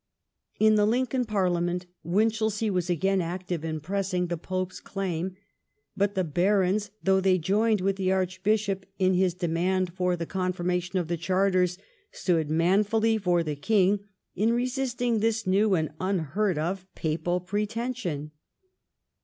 In the Lincoln parliament, Winch elsea was again active in pressing the pope's claim. But the barons, though they joined with the archbishop in his demand for the confirmation of the Charters, stood man fully by the king in resisting this new and unheard of papal pretension.